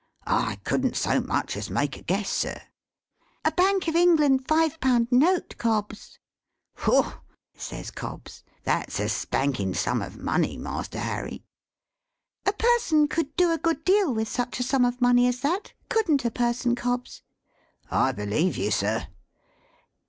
"I couldn't so much as make a guess, sir." "A Bank of England five pound note, Cobbs." "Whew!" says Cobbs, "that's a spanking sum of money, Master Harry." "A person could do a good deal with such a sum of money as that, couldn't a person, Cobbs?" "I believe you, sir!"